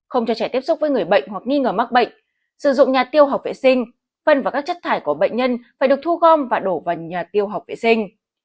không cho trẻ tiếp xúc với người bệnh hoặc nghi ngờ mắc bệnh sử dụng nhà tiêu học vệ sinh phần và các chất thải của bệnh nhân phải được thu gom và đổ vào nhà tiêu học vệ sinh